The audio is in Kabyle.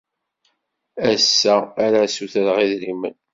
Ass-a ara ssutreɣ idrimen.